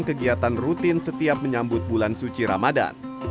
kegiatan rutin setiap menyambut bulan suci ramadan